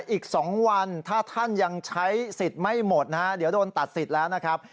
อีก๒วันถ้าท่านยังใช้สิทธิ์ไม่หมดนะฮะเดี๋ยวโดนตัดสิทธิ์แล้วนะครับ